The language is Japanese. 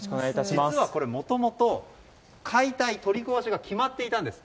実はこれもともと解体取り壊しが決まっていたんです。